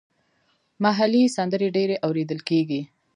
محلي سندرې ډېرې اوریدل کیږي.